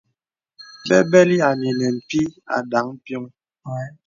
Bɛbɛlì à nə̄ nə̀ pìì à dāŋ piɔŋ.